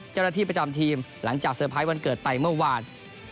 เจ้าหน้าที่ประจำทีมหลังจากเซอร์ไพรส์วันเกิดไปเมื่อวาน